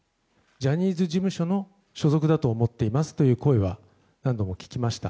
ジャニーズ事務所の所属だと思っていますという声は何度も聞きました。